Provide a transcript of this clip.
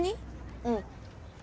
うん。